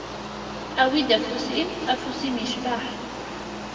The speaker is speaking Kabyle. Awi-d afus-im, afus-im yecbeḥ.